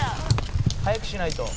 「早くしないと」